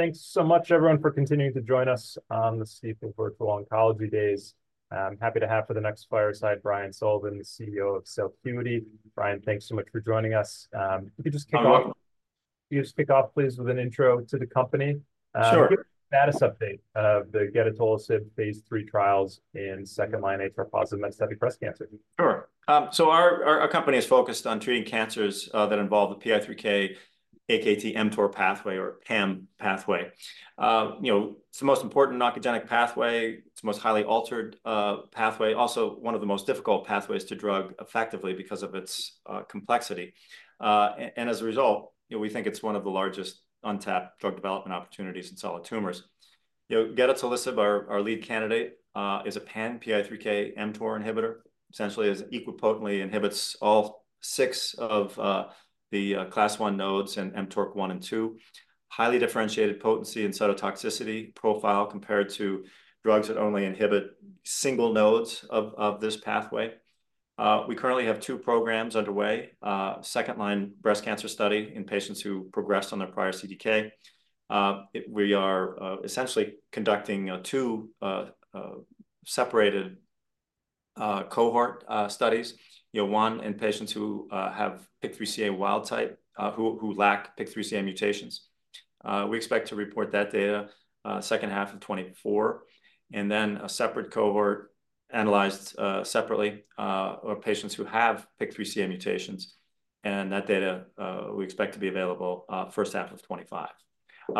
Thanks so much, everyone, for continuing to join us on the CF Virtual Oncology Days. I'm happy to have for the next fireside Brian Sullivan, the CEO of Celcuity. Brian, thanks so much for joining us. If you could just kick off, please, with an intro to the company. Sure. Give us a status update of the gedatolisib phase III trials in second-line HR positive metastatic breast cancer? Sure. So our company is focused on treating cancers that involve the PI3K AKT mTOR pathway, or PAM pathway. You know, it's the most important oncogenic pathway. It's the most highly altered pathway, also one of the most difficult pathways to drug effectively because of its complexity. And as a result, you know, we think it's one of the largest untapped drug development opportunities in solid tumors. You know, gedatolisib, our lead candidate, is a PAM PI3K mTOR inhibitor, essentially as it equipotently inhibits all six of the Class I nodes and mTORC1 and mTORC2. Highly differentiated potency and cytotoxicity profile compared to drugs that only inhibit single nodes of this pathway. We currently have two programs underway: second-line breast cancer study in patients who progressed on their prior CDK. We are essentially conducting two separate cohort studies. You know, one in patients who have PIK3CA wild type, who lack PIK3CA mutations. We expect to report that data second half of 2024. And then a separate cohort analyzed separately of patients who have PIK3CA mutations. And that data we expect to be available first half of 2025.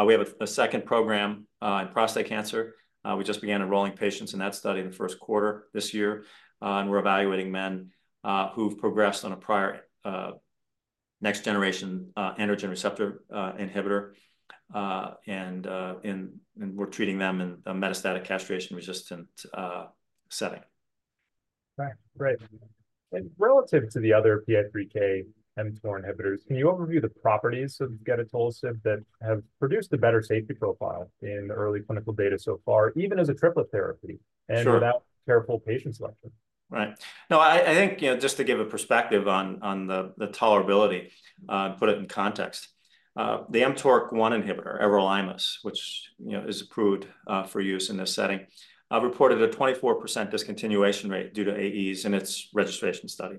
We have a second program in prostate cancer. We just began enrolling patients in that study in the first quarter this year. And we're evaluating men who've progressed on a prior next generation androgen receptor inhibitor. And we're treating them in a metastatic castration-resistant setting. Right. Great. And relative to the other PI3K mTOR inhibitors, can you overview the properties of gedatolisib that have produced a better safety profile in early clinical data so far, even as a triplet therapy and without careful patient selection? Sure. Right. No, I think, you know, just to give a perspective on the tolerability and put it in context. The mTORC1 inhibitor, everolimus, which, you know, is approved for use in this setting, reported a 24% discontinuation rate due to AEs in its registration study.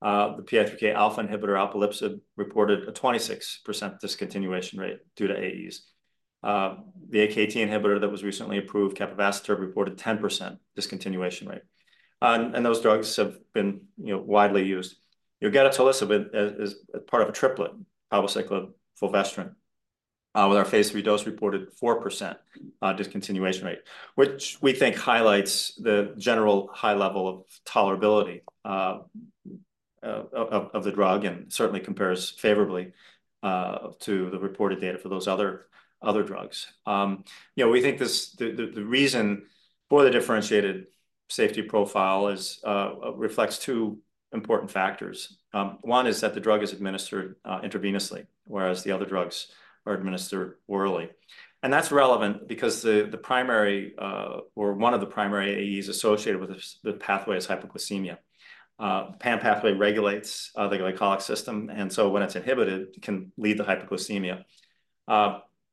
The PI3K alpha inhibitor, alpelisib, reported a 26% discontinuation rate due to AEs. The AKT inhibitor that was recently approved, capivasertib, reported a 10% discontinuation rate. And those drugs have been, you know, widely used. You know, gedatolisib is part of a triplet, palbociclib fulvestrant. With our phase 3 dose reported a 4% discontinuation rate, which we think highlights the general high level of tolerability of the drug and certainly compares favorably to the reported data for those other drugs. You know, we think this the reason for the differentiated safety profile reflects two important factors. One is that the drug is administered intravenously, whereas the other drugs are administered orally. And that's relevant because the primary, or one of the primary AEs associated with the pathway is hyperglycemia. The PAM pathway regulates the glycemic system, and so when it's inhibited, it can lead to hyperglycemia.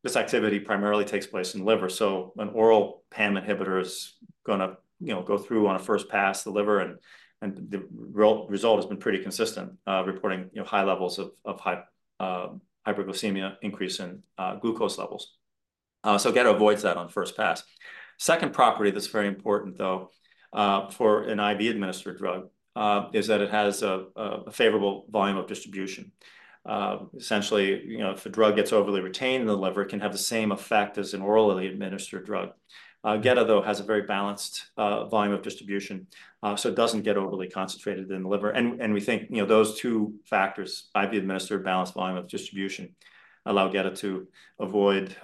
This activity primarily takes place in the liver. So an oral PAM inhibitor is gonna, you know, go through on a first pass the liver, and the result has been pretty consistent, reporting, you know, high levels of hyperglycemia, increase in glucose levels. So gedatolisib avoids that on first pass. Second property that's very important, though, for an IV-administered drug is that it has a favorable volume of distribution. Essentially, you know, if a drug gets overly retained in the liver, it can have the same effect as an orally administered drug. Gedatolisib, though, has a very balanced volume of distribution, so it doesn't get overly concentrated in the liver. And we think, you know, those two factors, IV-administered balanced volume of distribution, allow Gedatolisib to avoid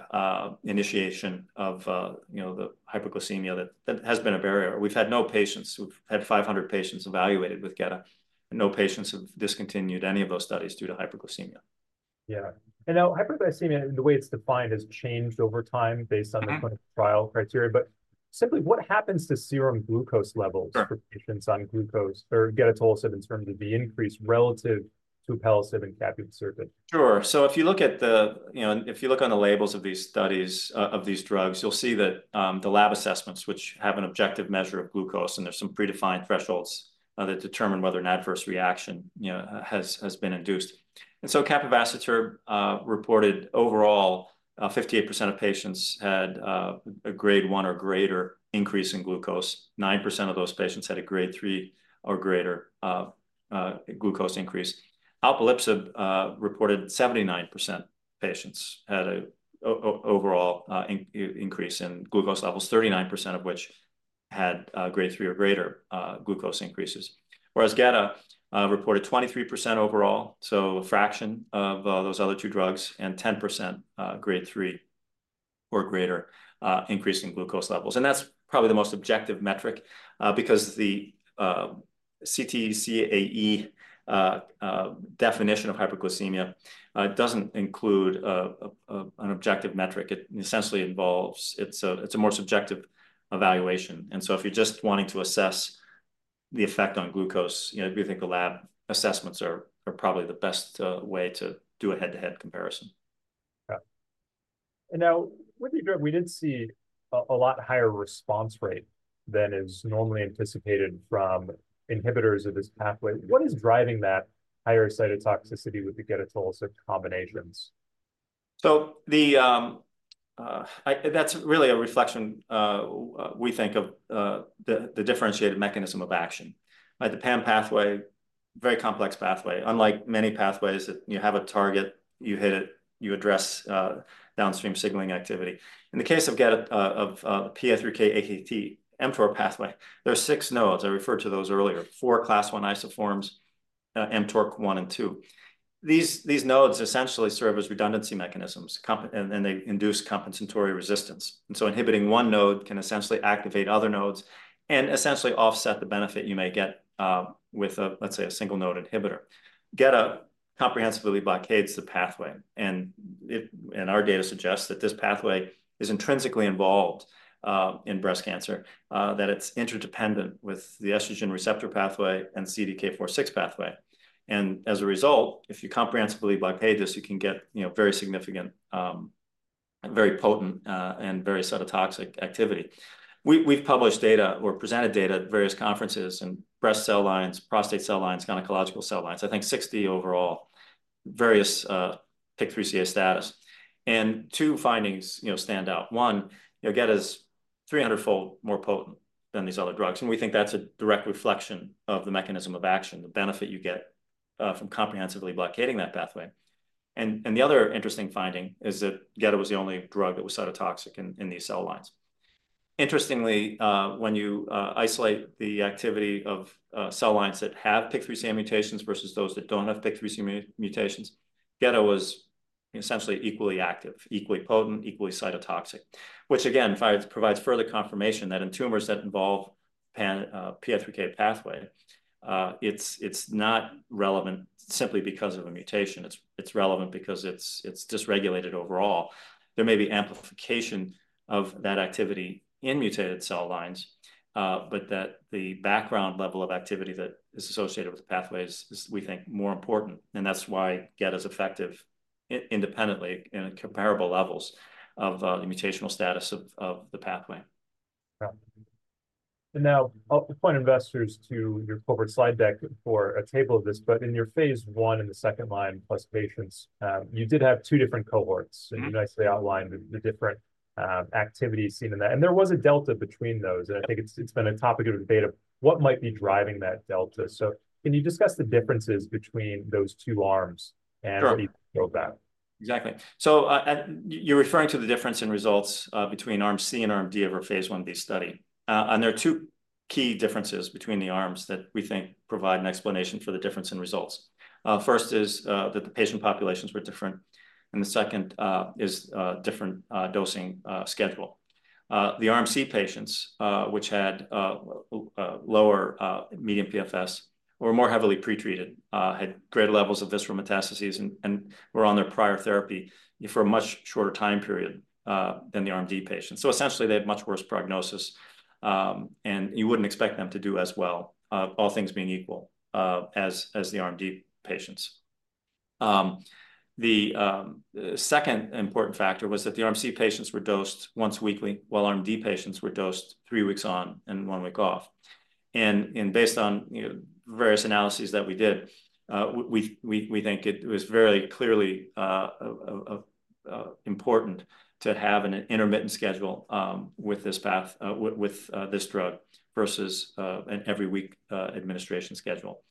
initiation of, you know, the hyperglycemia that has been a barrier. We've had no patients. We've had 500 patients evaluated with Gedatolisib. No patients have discontinued any of those studies due to hyperglycemia. Yeah. And now, hyperglycemia, the way it's defined, has changed over time based on the clinical trial criteria. But simply, what happens to serum glucose levels for patients on alpelisib, or gedatolisib, in terms of the increase relative to alpelisib capivasertib? Sure. So if you look at the, you know, if you look on the labels of these studies, of these drugs, you'll see that the lab assessments, which have an objective measure of glucose, and there's some predefined thresholds that determine whether an adverse reaction, you know, has been induced. And so capivasertib reported overall 58% of patients had a Grade I or greater increase in glucose. 9% of those patients had a Grade III or greater glucose increase. Alpelisib reported 79% of patients had an overall increase in glucose levels, 39% of which had Grade III or greater glucose increases. Whereas gedatolisib reported 23% overall, so a fraction of those other 2 drugs, and 10% Grade III or greater increase in glucose levels. And that's probably the most objective metric, because the CTCAE definition of hyperglycemia doesn't include an objective metric. It essentially involves, it's a more subjective evaluation. If you're just wanting to assess the effect on glucose, you know, we think the lab assessments are probably the best way to do a head-to-head comparison. Yeah. And now, with the drug, we did see a lot higher response rate than is normally anticipated from inhibitors of this pathway. What is driving that higher cytotoxicity with the gedatolisib combinations? So that's really a reflection, we think, of the differentiated mechanism of action. The PAM pathway, very complex pathway, unlike many pathways that, you know, have a target, you hit it, you address downstream signaling activity. In the case of gedatolisib, of the PI3K AKT mTOR pathway, there are six nodes. I referred to those earlier: four Class I isoforms, mTORC1 and mTORC2. These nodes essentially serve as redundancy mechanisms, and they induce compensatory resistance. And so inhibiting one node can essentially activate other nodes and essentially offset the benefit you may get with, let's say, a single node inhibitor. Gedatolisib comprehensively blockades the pathway. And our data suggests that this pathway is intrinsically involved in breast cancer, that it's interdependent with the estrogen receptor pathway and CDK4/6 pathway. As a result, if you comprehensively blockade this, you can get, you know, very significant, very potent, and very cytotoxic activity. We've published data or presented data at various conferences in breast cell lines, prostate cell lines, gynecological cell lines, I think 60 overall, various PIK3CA status. Two findings, you know, stand out. One, you know, gedatolisib is 300-fold more potent than these other drugs. We think that's a direct reflection of the mechanism of action, the benefit you get from comprehensively blockading that pathway. The other interesting finding is that gedatolisib was the only drug that was cytotoxic in these cell lines. Interestingly, when you isolate the activity of cell lines that have PIK3CA mutations versus those that don't have PIK3CA mutations, gedatolisib was essentially equally active, equally potent, equally cytotoxic, which, again, provides further confirmation that in tumors that involve PI3K pathway, it's not relevant simply because of a mutation. It's relevant because it's dysregulated overall. There may be amplification of that activity in mutated cell lines, but that the background level of activity that is associated with the pathway is, we think, more important. That's why gedatolisib is effective independently in comparable levels of the mutational status of the pathway. Yeah. And now, I'll point investors to your corporate slide deck for a table of this. But in your phase I and the second-line plus patients, you did have 2 different cohorts. And you nicely outlined the different activity seen in that. And there was a delta between those. And I think it's been a topic of debate of what might be driving that delta. So can you discuss the differences between those 2 arms and the pushback? Sure. Exactly. So you're referring to the difference in results between Arm C and Arm D of our phase 1B study. There are 2 key differences between the arms that we think provide an explanation for the difference in results. First is that the patient populations were different. The second is a different dosing schedule. The Arm C patients, which had lower median PFS or were more heavily pretreated, had greater levels of visceral metastases and were on their prior therapy for a much shorter time period than the Arm D patients. So essentially, they had much worse prognosis. You wouldn't expect them to do as well, all things being equal, as the Arm D patients. The second important factor was that the Arm C patients were dosed once weekly, while Arm D patients were dosed 3 weeks on and 1 week off. Based on various analyses that we did, we think it was very clearly important to have an intermittent schedule with this path, with this drug, versus an every week administration schedule.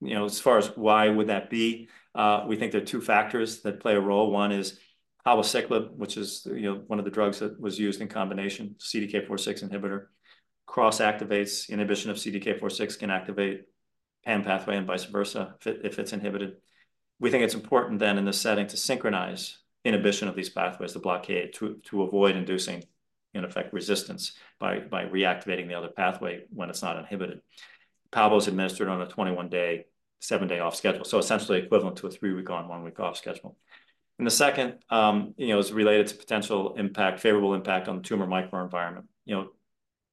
You know, as far as why would that be, we think there are two factors that play a role. One is ribociclib, which is, you know, one of the drugs that was used in combination, CDK4/6 inhibitor. Cross-activates inhibition of CDK4/6 can activate PAM pathway and vice versa if it's inhibited. We think it's important, then, in this setting to synchronize inhibition of these pathways, the blockade, to avoid inducing, in effect, resistance by reactivating the other pathway when it's not inhibited. Palbo is administered on a 21-day, seven-day off schedule. So essentially equivalent to a three-week on, one-week off schedule. And the second, you know, is related to potential impact, favorable impact on the tumor microenvironment. You know,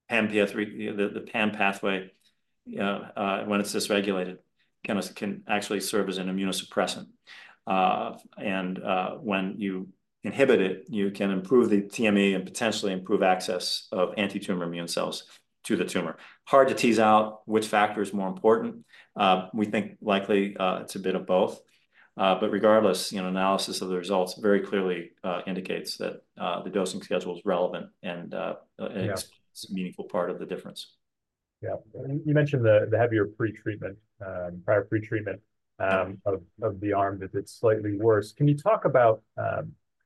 PI3K, the PAM pathway, when it's dysregulated, can actually serve as an immunosuppressant. And when you inhibit it, you can improve the TME and potentially improve access of antitumor immune cells to the tumor. Hard to tease out which factor is more important. We think likely it's a bit of both. But regardless, you know, analysis of the results very clearly indicates that the dosing schedule is relevant and it's a meaningful part of the difference. Yeah. And you mentioned the heavier pretreatment, prior pretreatment of the arm that it's slightly worse. Can you talk about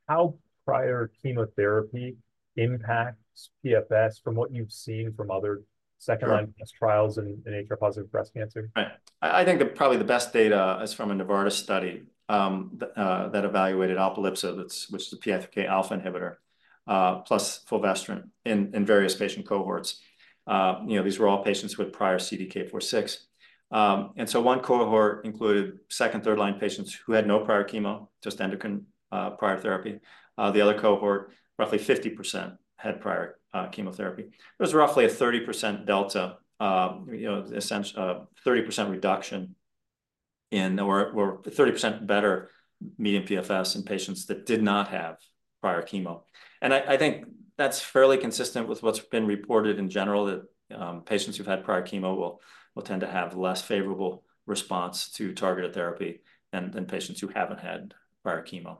how prior chemotherapy impacts PFS from what you've seen from other second-line trials in HR positive breast cancer? Right. I think probably the best data is from a Novartis study that evaluated alpelisib, which is the PI3K alpha inhibitor, plus fulvestrant in various patient cohorts. You know, these were all patients with prior CDK4/6. So one cohort included second, third-line patients who had no prior chemo, just endocrine prior therapy. The other cohort, roughly 50%, had prior chemotherapy. There's roughly a 30% delta, you know, essentially a 30% reduction in, or 30% better median PFS in patients that did not have prior chemo. And I think that's fairly consistent with what's been reported in general, that patients who've had prior chemo will tend to have less favorable response to targeted therapy than patients who haven't had prior chemo.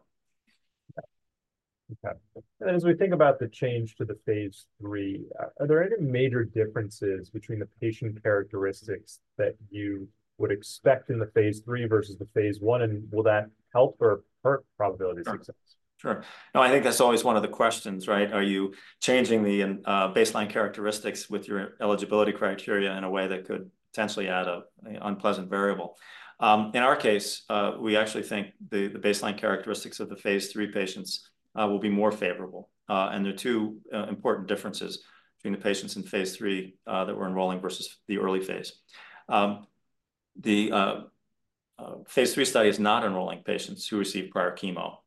Okay. And as we think about the change to the phase III, are there any major differences between the patient characteristics that you would expect in the phase III versus the phase I? And will that help or hurt probability of success? Sure. No, I think that's always one of the questions, right? Are you changing the baseline characteristics with your eligibility criteria in a way that could potentially add an unpleasant variable? In our case, we actually think the baseline characteristics of the phase III patients will be more favorable. And there are 2 important differences between the patients in phase III that we're enrolling versus the early phase. The phase III study is not enrolling patients who receive prior chemo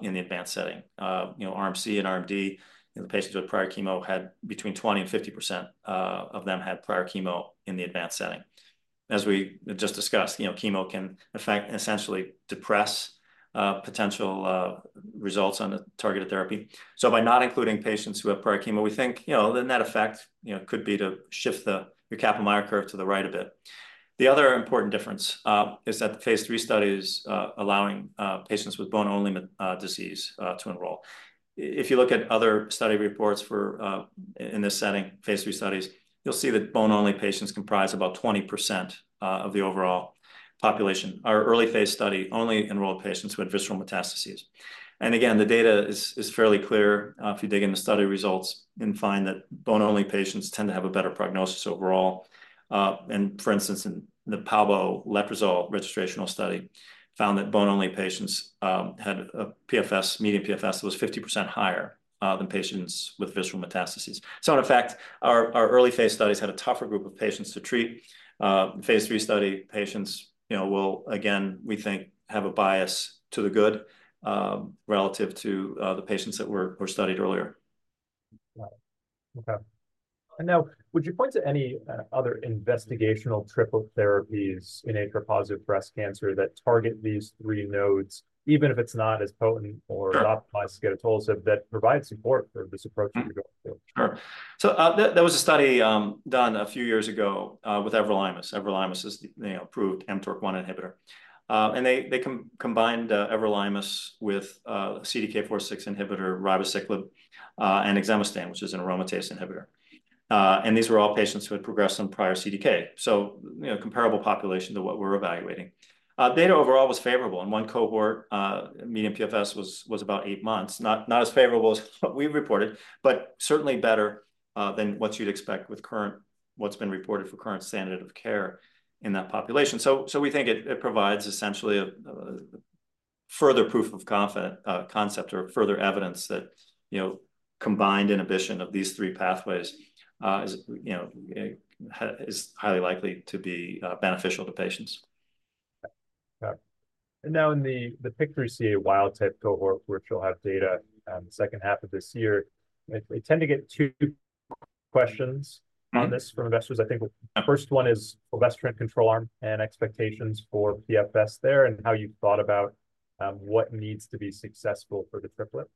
in the advanced setting. You know, Arm C and Arm D, you know, the patients with prior chemo had between 20%-50% of them had prior chemo in the advanced setting. As we just discussed, you know, chemo can, in fact, essentially depress potential results on the targeted therapy. So by not including patients who have prior chemo, we think, you know, then that effect, you know, could be to shift your Kaplan-Meier curve to the right a bit. The other important difference is that the phase III study is allowing patients with bone-only disease to enroll. If you look at other study reports for, in this setting, phase III studies, you'll see that bone-only patients comprise about 20% of the overall population. Our early phase study only enrolled patients with visceral metastases. And again, the data is fairly clear. If you dig into study results, you can find that bone-only patients tend to have a better prognosis overall. And, for instance, in the palbociclib letrozole registrational study, found that bone-only patients had a PFS, median PFS, that was 50% higher than patients with visceral metastases. So, in effect, our early phase studies had a tougher group of patients to treat. Phase III study patients, you know, will, again, we think, have a bias to the good relative to the patients that were studied earlier. Right. Okay. And now, would you point to any other investigational triple therapies in HR positive breast cancer that target these 3 nodes, even if it's not as potent or optimized to gedatolisib, that provide support for this approach that you're going through? Sure. So that was a study done a few years ago with everolimus. Everolimus is the approved mTORC1 inhibitor. And they combined everolimus with CDK4/6 inhibitor ribociclib and exemestane, which is an aromatase inhibitor. And these were all patients who had progressed on prior CDK. So, you know, comparable population to what we're evaluating. Data overall was favorable. In one cohort, median PFS was about 8 months, not as favorable as what we reported, but certainly better than what you'd expect with current, what's been reported for current standard of care in that population. So we think it provides essentially further proof of concept, or further evidence that, you know, combined inhibition of these 3 pathways is, you know, highly likely to be beneficial to patients. Okay. Now in the PIK3CA wild type cohort, which you'll have data the second half of this year, we tend to get two questions on this from investors. I think the first one is fulvestrant control arm and expectations for PFS there and how you've thought about what needs to be successful for the triplet.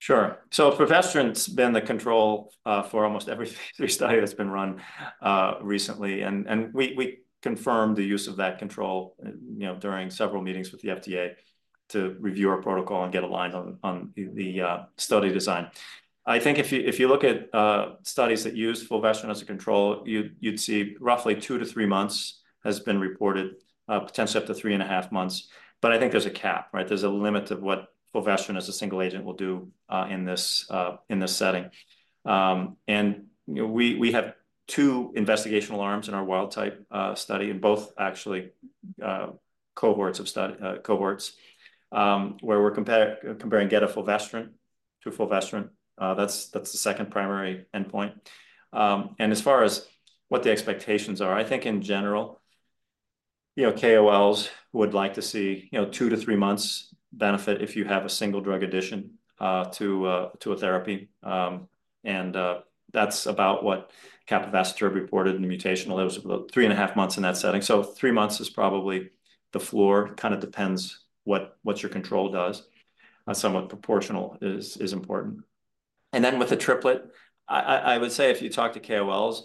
Sure. So fulvestrant's been the control for almost every phase III study that's been run recently. And we confirmed the use of that control, you know, during several meetings with the FDA to review our protocol and get aligned on the study design. I think if you look at studies that use fulvestrant as a control, you'd see roughly 2-3 months has been reported, potentially up to 3.5 months. But I think there's a cap, right? There's a limit of what fulvestrant as a single agent will do in this setting. And, you know, we have 2 investigational arms in our wild type study, in both actually cohorts of study cohorts, where we're comparing gedatolisib fulvestrant to fulvestrant. That's the second primary endpoint. As far as what the expectations are, I think in general, you know, KOLs would like to see, you know, 2-3 months benefit if you have a single drug addition to a therapy. And that's about what capivasertib reported in the mutational. It was about 3.5 months in that setting. So 3 months is probably the floor. Kind of depends what your control does. Somewhat proportional is important. And then with the triplet, I would say if you talk to KOLs,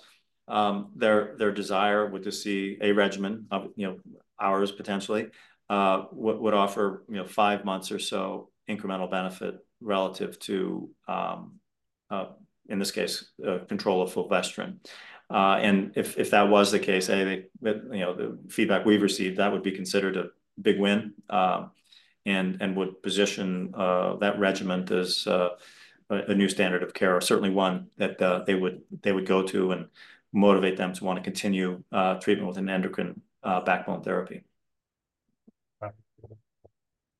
their desire would just see a regimen of, you know, ours potentially would offer, you know, 5 months or so incremental benefit relative to, in this case, control of fulvestrant. If that was the case, hey, they, you know, the feedback we've received, that would be considered a big win and would position that regimen as a new standard of care, or certainly one that they would go to and motivate them to want to continue treatment with an endocrine backbone therapy. Right.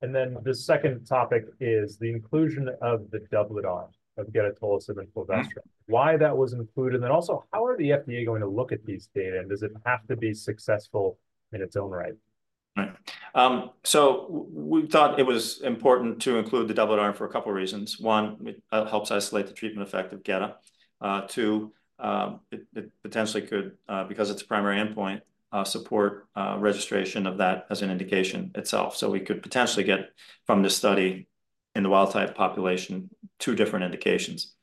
And then the second topic is the inclusion of the doublet arm of gedatolisib and fulvestrant. Why that was included, and then also, how are the FDA going to look at these data, and does it have to be successful in its own right? Right. So we thought it was important to include the doublet arm for a couple of reasons. One, it helps isolate the treatment effect of gedatolisib. Two, it potentially could, because it's a primary endpoint, support registration of that as an indication itself. So we could potentially get from this study in the wild type population two different indications.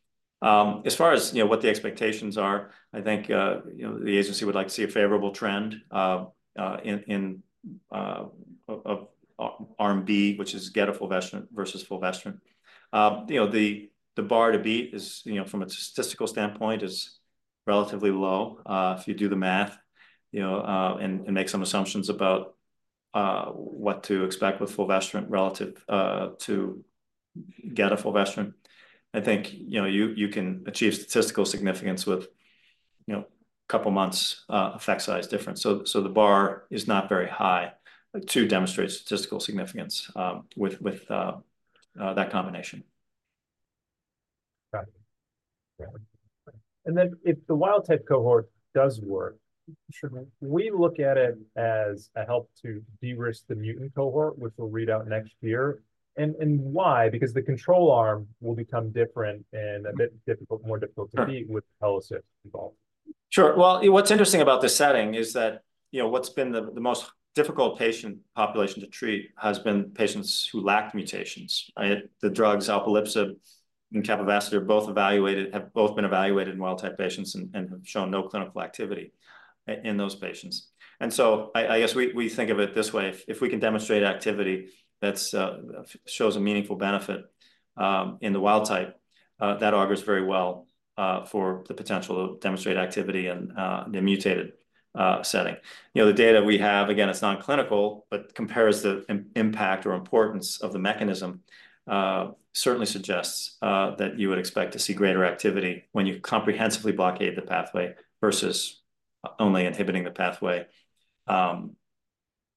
As far as, you know, what the expectations are, I think, you know, the agency would like to see a favorable trend in Arm B, which is gedatolisib fulvestrant versus fulvestrant. You know, the bar to beat, you know, from a statistical standpoint is relatively low if you do the math, you know, and make some assumptions about what to expect with fulvestrant relative to gedatolisib fulvestrant. I think, you know, you can achieve statistical significance with, you know, a couple of months effect size difference. The bar is not very high to demonstrate statistical significance with that combination. Got it. And then if the wild type cohort does work, we look at it as a help to de-risk the mutant cohort, which we'll read out next year. And why? Because the control arm will become different and a bit difficult, more difficult to beat with palbociclib involved. Sure. Well, what's interesting about this setting is that, you know, what's been the most difficult patient population to treat has been patients who lacked mutations. The drugs alpelisib and capivasertib both evaluated, have both been evaluated in wild type patients and have shown no clinical activity in those patients. And so I guess we think of it this way. If we can demonstrate activity that shows a meaningful benefit in the wild type, that augurs very well for the potential to demonstrate activity in a mutated setting. You know, the data we have, again, it's non-clinical, but compares the impact or importance of the mechanism, certainly suggests that you would expect to see greater activity when you comprehensively blockade the pathway versus only inhibiting the pathway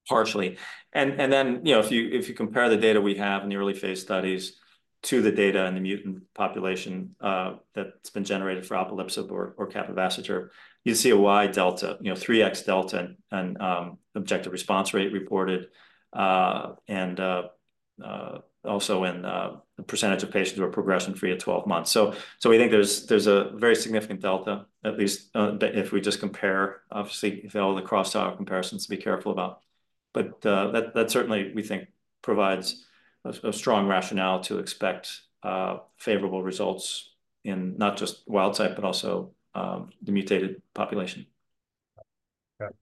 partially. And then, you know, if you compare the data we have in the early phase studies to the data in the mutant population that's been generated for alpelisib or capivasertib, you see a wide delta, you know, 3x delta in objective response rate reported and also in the percentage of patients who are progression free at 12 months. So we think there's a very significant delta, at least if we just compare, obviously, if all the cross-talk comparisons to be careful about. But that certainly, we think, provides a strong rationale to expect favorable results in not just wild type, but also the mutated population. Okay.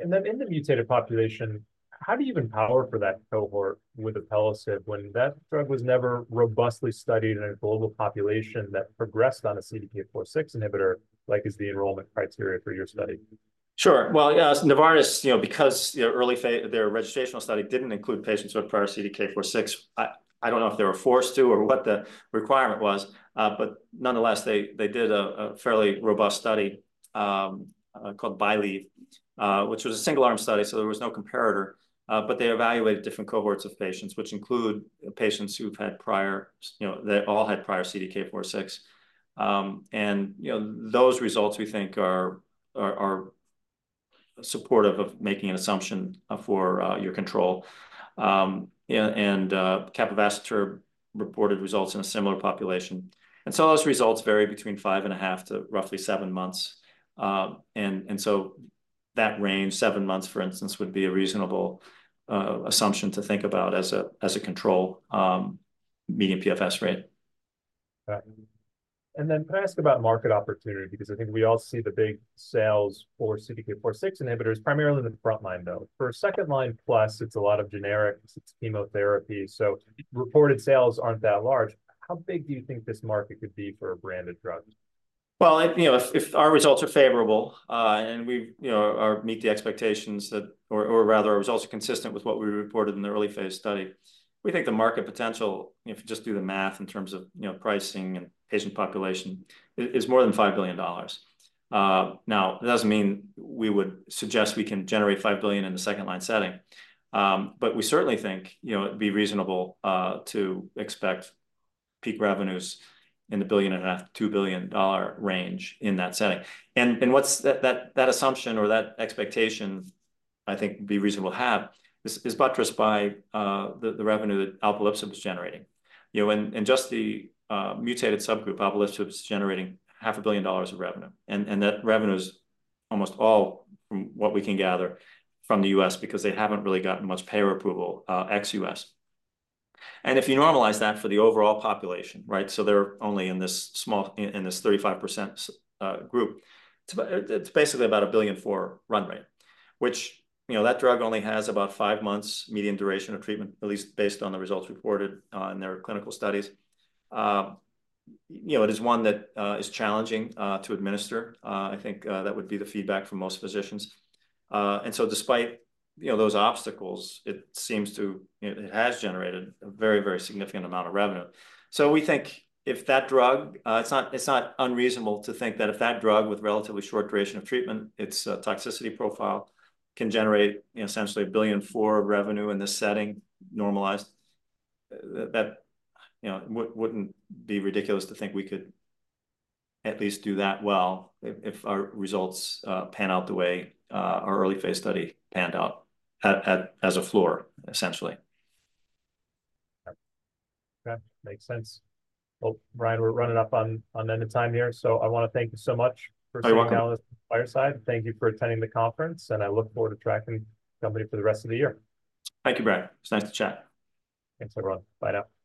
And then in the mutated population, how do you empower for that cohort with a palbociclib when that drug was never robustly studied in a global population that progressed on a CDK4/6 inhibitor, like is the enrollment criteria for your study? Sure. Well, yeah, as Novartis, you know, because their registrational study didn't include patients with prior CDK4/6, I don't know if they were forced to or what the requirement was. But nonetheless, they did a fairly robust study called BYLieve, which was a single-arm study. So there was no comparator. But they evaluated different cohorts of patients, which include patients who've had prior, you know, they all had prior CDK4/6. And, you know, those results, we think, are supportive of making an assumption for your control. And capivasertib reported results in a similar population. And so those results vary between 5.5-7 months. And so that range, 7 months, for instance, would be a reasonable assumption to think about as a control median PFS rate. Right. And then can I ask about market opportunity? Because I think we all see the big sales for CDK4/6 inhibitors, primarily in the front line, though. For second line plus, it's a lot of generics. It's chemotherapy. So reported sales aren't that large. How big do you think this market could be for a branded drug? Well, you know, if our results are favorable and we, you know, meet the expectations that, or rather, our results are consistent with what we reported in the early phase study, we think the market potential, you know, if you just do the math in terms of, you know, pricing and patient population, is more than $5 billion. Now, that doesn't mean we would suggest we can generate $5 billion in the second line setting. But we certainly think, you know, it'd be reasonable to expect peak revenues in the $1.5 billion-$2 billion range in that setting. And what's that assumption or that expectation, I think, would be reasonable to have is buttressed by the revenue that alpelisib was generating. You know, and just the mutated subgroup, alpelisib was generating $500 million of revenue. That revenue is almost all, from what we can gather, from the US because they haven't really gotten much payer approval ex US. If you normalize that for the overall population, right? They're only in this small, in this 35% group. It's basically about $1 billion run rate, which, you know, that drug only has about five months median duration of treatment, at least based on the results reported in their clinical studies. You know, it is one that is challenging to administer. I think that would be the feedback from most physicians. So despite, you know, those obstacles, it seems to, you know, it has generated a very, very significant amount of revenue. So, we think if that drug, it's not unreasonable to think that if that drug with relatively short duration of treatment, its toxicity profile can generate, you know, essentially $1 billion for revenue in this setting, normalized, that, you know, wouldn't be ridiculous to think we could at least do that well if our results pan out the way our early phase study panned out as a floor, essentially. Okay. Makes sense. Well, Brian, we're running up on end of time here. So I want to thank you so much for joining us at this fireside. Thank you for attending the conference, and I look forward to tracking company for the rest of the year. Thank you, Brian. It was nice to chat. Thanks, everyone. Bye now.